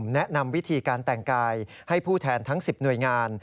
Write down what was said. และแบ่งกลุ่มแนะนำวิธีการแต่งกายให้ผู้แทนทั้ง๑๐หน่วยงาน